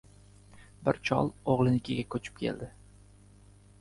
Bir chol oʻgʻlinikiga koʻchib keldi.